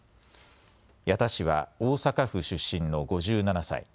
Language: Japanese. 矢田氏は大阪府出身の５７歳。